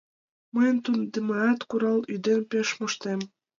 Мый тунемдеат курал-ӱден пеш моштем...